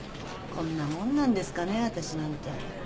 こんなもんなんですかね私なんて。